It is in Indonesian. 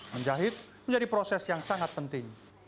menjahit menjadi proses yang sangat penting